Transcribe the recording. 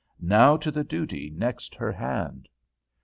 Now to the duty next her hand!